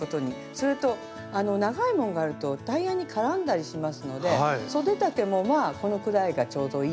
それと長いものがあるとタイヤに絡んだりしますのでそで丈もこのくらいがちょうどいいかなみたいなことで。